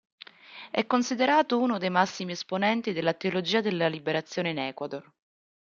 È considerato uno dei massimi esponenti della Teologia della liberazione in Ecuador.